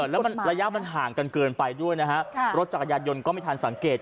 แล้วมันระยะมันห่างกันเกินไปด้วยนะฮะรถจักรยานยนต์ก็ไม่ทันสังเกต